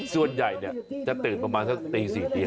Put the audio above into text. ส่วนใหญ่จะตื่นประมาณสักตี๔ตี